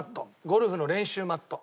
ゴルフの練習マット。